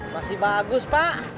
masih bagus pak